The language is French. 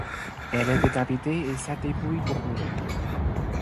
Elle est décapitée et sa dépouille brûlée.